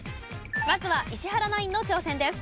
まずは石原ナインの挑戦です。